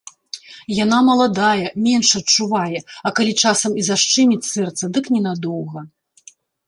Яна маладая, менш адчувае, а калі часам і зашчыміць сэрца, дык ненадоўга.